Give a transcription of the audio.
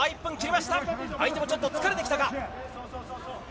相手もちょっと疲れてきたか。